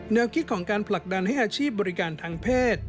แนวคิดของการผลักดันให้อาชีพบริการทางเพศ